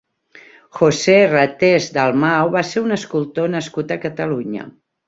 José Ratés Dalmau va ser un escultor nascut a Catalunya.